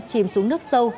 chìm xuống nước sâu